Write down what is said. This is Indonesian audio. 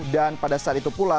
dan pada saat itu pula